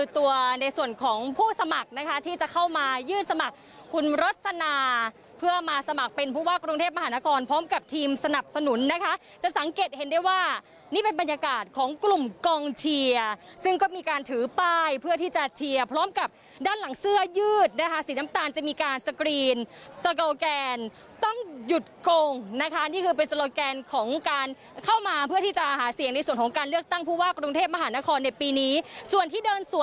ตัวในส่วนของผู้สมัครนะคะที่จะเข้ามายืดสมัครคุณรสนาเพื่อมาสมัครเป็นผู้ว่ากรุงเทพมหานครพร้อมกับทีมสนับสนุนนะคะจะสังเกตเห็นได้ว่านี่เป็นบรรยากาศของกลุ่มกองเทียร์ซึ่งก็มีการถือป้ายเพื่อที่จะเทียร์พร้อมกับด้านหลังเสื้อยืดนะคะสีน้ำตาลจะมีการสกรีนสโลแกนต้องหยุดโกงนะคะนี่คือเป็นส